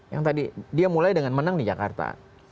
yang tadi dia mulai dengan menang di jakarta